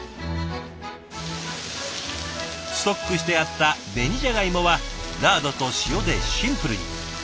ストックしてあった紅じゃがいもはラードと塩でシンプルに。